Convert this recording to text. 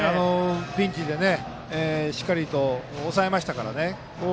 ピンチでしっかりと抑えましたからね。